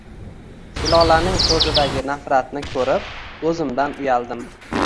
Hilolaning ko`zidagi nafratni ko`rib, o`zimdan uyaldim